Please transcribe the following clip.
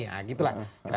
nah gitu lah